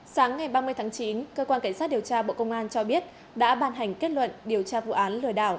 sáng ngày ba mươi tháng chín cơ quan cảnh sát điều tra bộ công an cho biết đã bàn hành kết luận điều tra vụ án lừa đảo